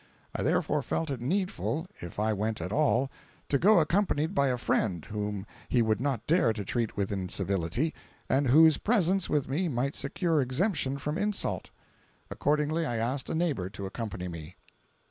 I therefore felt it needful, if I went at all, to go accompanied by a friend whom he would not dare to treat with incivility, and whose presence with me might secure exemption from insult. Accordingly I asked a neighbor to accompany me.